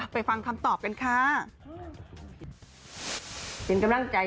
ฟังคำตอบกันค่ะ